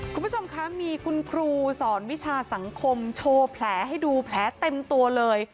คุณผู้ชมคะมีคุณครูสอนวิชาสังคมโชว์แผลให้ดูแผลเต็มตัวเลย